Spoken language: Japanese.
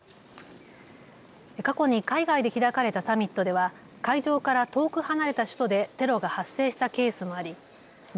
過去に海外で開かれたサミットでは会場から遠く離れた首都でテロが発生したケースもありＧ